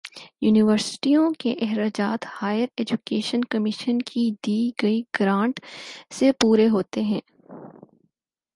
یونیورسٹیوں کے اخراجات ہائیر ایجوکیشن کمیشن کی دی گئی گرانٹ سے پورے ہوتے ہیں۔